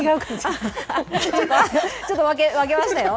ちょっと分けましたよ。